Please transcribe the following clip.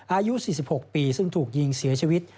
อายุ๔๖ปีซึ่งถูกยิงเสียชีวิต